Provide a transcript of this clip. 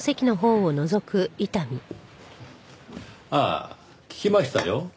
ああ聞きましたよ。